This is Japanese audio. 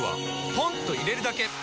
ポンと入れるだけ！